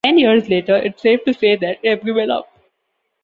Ten years later, its safe to say that I've given up.